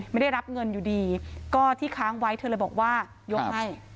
ไม่ได้รับเงินอยู่ดีก็ที่ค้างไว้เธอเลยบอกว่ายกให้